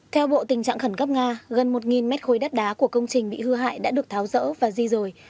theo bộ tình trạng khẩn cấp nga gần một mét khối đất đá của công trình bị hư hại đã được tháo rỡ và di rời